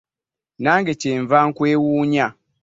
Nange kye nva nkwewuunya.